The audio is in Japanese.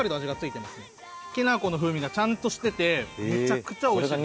きな粉の風味がちゃんとしててめちゃくちゃ美味しいですね。